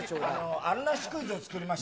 あるなしクイズを作りました。